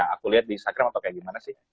aku lihat di instagram atau kayak gimana sih